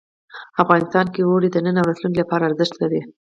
افغانستان کې اوړي د نن او راتلونکي لپاره ارزښت لري.